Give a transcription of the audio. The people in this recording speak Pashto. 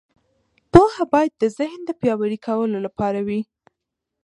پوهه باید د ذهن د پیاوړي کولو لپاره وي.